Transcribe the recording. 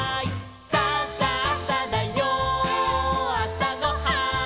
「さあさあさだよあさごはん」